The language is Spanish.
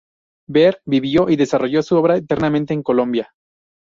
Beer vivió y desarrolló su obra enteramente en Colombia.